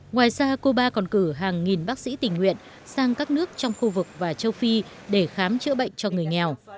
ngoài ra cuba còn cử hàng nghìn bác sĩ tình nguyện sang các nước trong khu vực và châu phi để khám chữa bệnh cho người nghèo